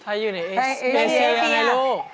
ไทยอยู่ในเอเซอร์ยังไงลูก